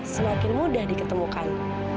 semakin mudah diketemukan